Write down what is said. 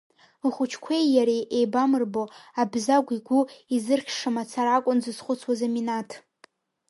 Лхәыҷқәеи иареи еибамырбо, Абзагә игәы изырхьша мацара акәын дзызхәыцуаз Аминаҭ.